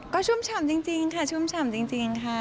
ก็ชุ่มฉ่ำจริงค่ะชุ่มฉ่ำจริงค่ะ